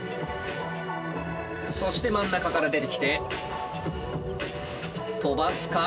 そして真ん中から出てきて飛ばすか？